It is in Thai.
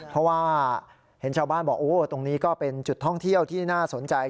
เพราะว่าเห็นชาวบ้านบอกโอ้ตรงนี้ก็เป็นจุดท่องเที่ยวที่น่าสนใจ